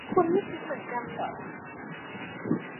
คุณไม่คิดเหมือนกันหรอ